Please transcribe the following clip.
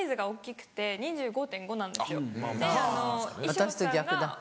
私と逆だ。